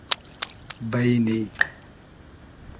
بݷنی